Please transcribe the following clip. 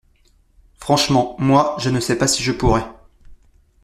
Franchement, moi, je ne sais pas si je pourrais.